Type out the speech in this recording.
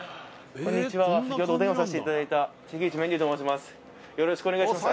こんにちは先ほどお電話させていただいた関口メンディーと申します